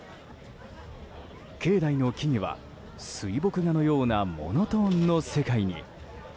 境内の木々は、水墨画のようなモノトーンの世界に。